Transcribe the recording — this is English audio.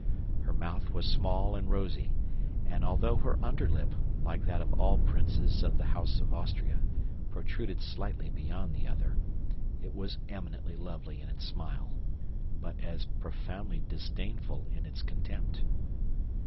Her mouth was small and rosy; and although her underlip, like that of all princes of the House of Austria, protruded slightly beyond the other, it was eminently lovely in its smile, but as profoundly disdainful in its contempt.